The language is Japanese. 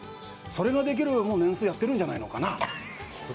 それができる年数もうやってるんじゃないのかな。